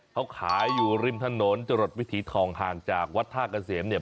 เขาขายอยู่ริมถนนจรดวิถีทองห่างจากวัดท่าเกษมเนี่ย